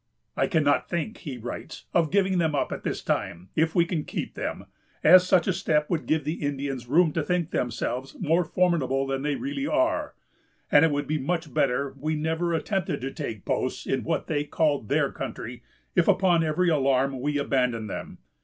"I cannot think," he writes, "of giving them up at this time, if we can keep them, as such a step would give the Indians room to think themselves more formidable than they really are; and it would be much better we never attempted to take posts in what they call their country, if, upon every alarm, we abandon them....